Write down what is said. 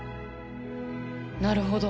なるほど。